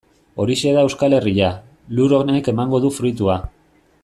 Horixe da Euskal Herria, lur honek emango du fruitua.